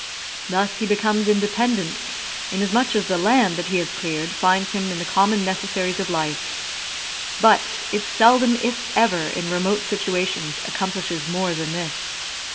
Thus he becomes independent, inasmuch as the land that he has cleared finds him in the common necessaries of life; but it seldom, if ever, in remote situations, accomplishes more than this.